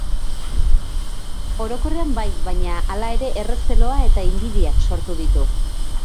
Orokorrean bai, baina hala ere errezeloa eta inbidiak sortu ditu.